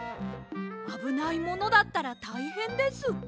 あぶないものだったらたいへんです。